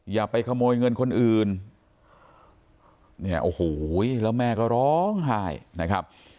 อย่าไปขโมยเงินคนอื่นเนี่ยโอ้โหแล้วแม่ก็ร้องไห้นะครับ